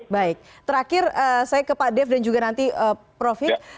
baik terakhir saya ke pak dev dan juga nanti profit